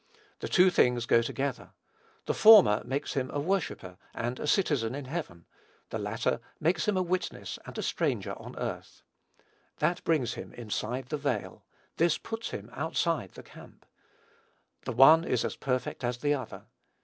The two things go together. The former makes him a worshipper and a citizen in heaven, the latter makes him a witness and a stranger on earth. That brings him inside the veil; this puts him outside the camp. The one is as perfect as the other.